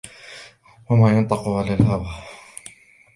وما ينطق عن الهوى